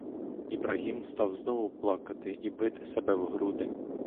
Ібрагім став знову плакати і бити себе в груди.